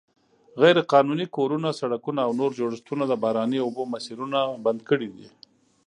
غیرقانوني کورونه، سړکونه او نور جوړښتونه د باراني اوبو مسیرونه بند کړي دي.